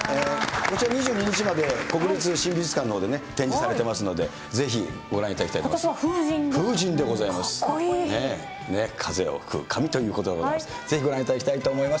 こちら２２日まで国立新美術館のほうで展示されてますので、ぜひ、ご覧いただきたいと思います。